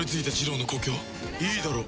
いいだろう。